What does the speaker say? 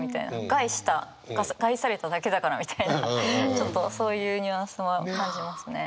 害した害されただけだからみたいなちょっとそういうニュアンスも感じますね。